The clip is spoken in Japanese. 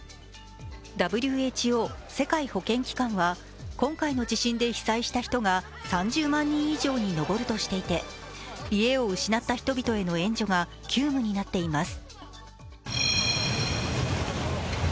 ＷＨＯ＝世界保健機関は今回の地震で被災した人が３０万人以上に上るとしていて家を失った人々への援助が急務になっています